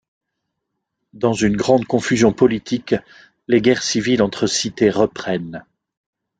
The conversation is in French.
Dans une grande confusion politique, les guerres civiles entre cités reprennent.